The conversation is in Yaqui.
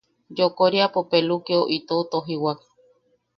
Yokoriapo pelukeo itou tojiwak.